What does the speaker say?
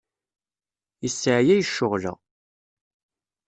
Yesseɛyay ccɣel-a.